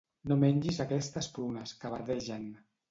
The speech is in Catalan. No mengis aquestes prunes, que verdegen.